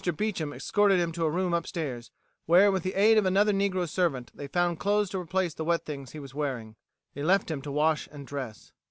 Beecham escorted him to a room upstairs, where, with the aid of another negro servant, they found clothes to replace the wet things he was wearing. They left him to wash and dress.